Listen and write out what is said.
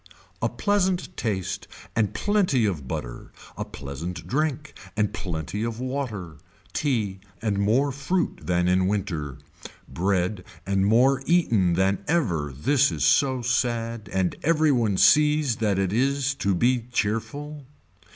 A pleasant taste and plenty of butter, a pleasant drink and plenty of water, tea and more fruit than in winter, bread and more eaten than ever this is so sad and every one sees that it is to be cheerful.